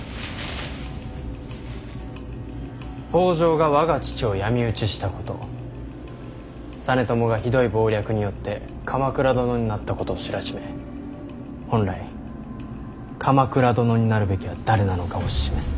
北条が我が父を闇討ちしたこと実朝がひどい謀略によって鎌倉殿になったことを知らしめ本来鎌倉殿になるべきは誰なのかを示す。